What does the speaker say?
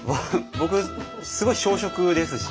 僕すごい小食ですし。